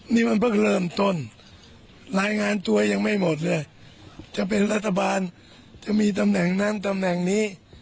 นี่มันเพิ่งเริ่มต้นรายงานตัวยังไม่หมดเลยจะเป็นรัฐบาลจะมีตำแหน่งนั้นตำแหน่งนี้